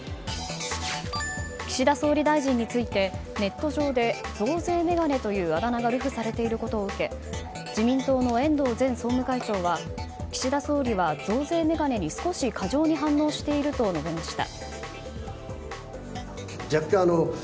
岸田総理大臣についてネット上で増税メガネというあだ名が流布されていることを受けて自民党の遠藤前総務会長は岸田総理は増税メガネに少し過剰に反応していると述べました。